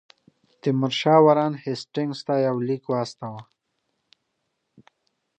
تیمورشاه وارن هیسټینګز ته یو لیک واستاوه.